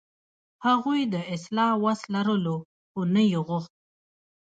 هغوی د اصلاح وس لرلو، خو نه یې غوښت.